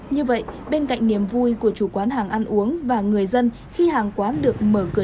như vậy bên cạnh niềm vui của chủ quán hàng ăn uống và người dân khi hàng quán được mở cửa